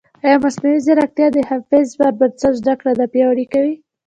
ایا مصنوعي ځیرکتیا د حفظ پر بنسټ زده کړه نه پیاوړې کوي؟